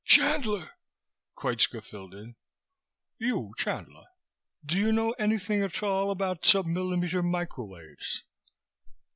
"Chandler," Koitska filled in. "You, Chandler. D'you know anything at all about submillimeter microwaves?